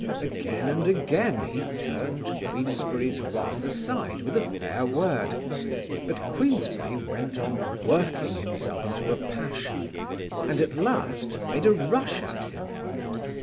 Again and again he turned Queensberry's wrath aside with a fair word, but Queensberry went on working himself into a passion, and at last made a rush at him.